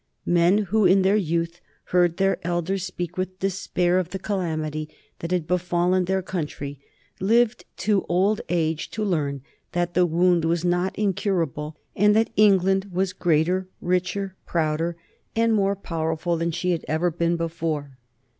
Men who in their youth heard their elders speak with despair of the calamity that had befallen their country lived to old age to learn that the wound was not incurable, and that England was greater, richer, prouder, and more powerful than she had ever been before.